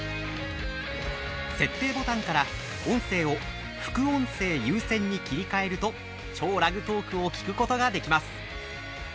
設定ボタンから音声を副音声優先に切り替えると「＃超ラグトーク」を聞くことができます。